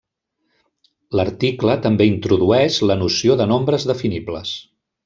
L'article també introdueix la noció de nombres definibles.